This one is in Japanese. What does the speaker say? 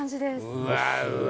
うわうわ。